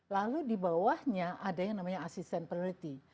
lalu di bawahnya ada yang namanya asisten peneliti